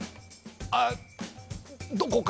あどこかに。